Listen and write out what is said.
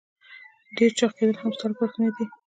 ډېر چاغ کېدل هم ستا لپاره ښه نه دي.